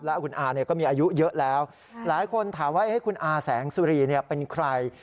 แล้วคุณอาเนี่ยก็มีอายุเยอะแล้วหลายคนถามว่าคุณอาแสงสุรีเป็นใคร